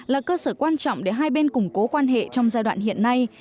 là cơ sở quan trọng để hai bên củng cố quan hệ trong giai đoạn hiện nay